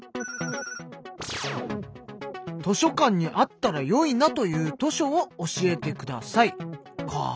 「図書館にあったら、よいなという図書を教えてください！！」か。